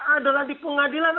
adalah di pengadilan